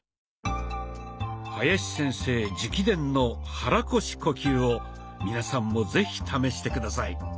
林先生直伝の肚腰呼吸を皆さんも是非試して下さい。